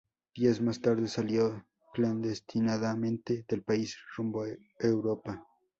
Días más tarde salió clandestinamente del país rumbo a Europa.